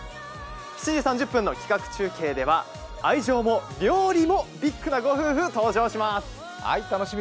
７時３０分の企画中継では愛情も料理もビックなご夫婦、登場します。